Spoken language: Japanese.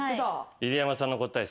入山さんの答え。